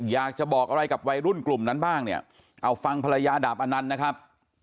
อยากจะบอกอะไรกับวัยรุ่นกลุ่มนั้นบ้างเนี่ยเอาฟังภรรยาดาบอนันต์นะครับ